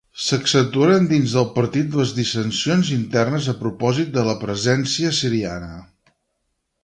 S'accentuaren dins del partit les dissensions internes a propòsit de la presència siriana.